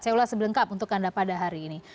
saya ulas sebelengkap untuk anda pada hari ini